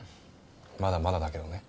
まだまだだけどね。